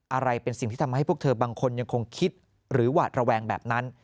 อะไรเป็นสิ่งที่ทำให้พวกเธอบางคนยังคงคิดหรือหวาดระแวงแบบนั้น